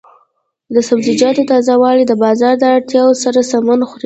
د سبزیجاتو تازه والي د بازار د اړتیا سره سمون خوري.